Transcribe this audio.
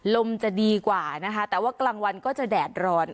จะดีกว่านะคะแต่ว่ากลางวันก็จะแดดร้อน